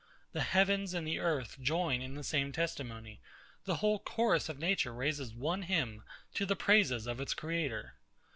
The heavens and the earth join in the same testimony: The whole chorus of Nature raises one hymn to the praises of its Creator.